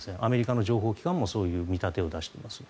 アメリカの情報機関もそういう見立てを出しています。